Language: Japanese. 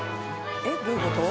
えっどういう事？